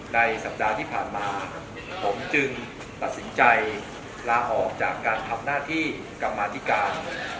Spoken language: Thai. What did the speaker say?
ในสัปดาห์ที่ผ่านมาผมจึงตัดสินใจลาออกจากการทำหน้าที่กรรมาธิการ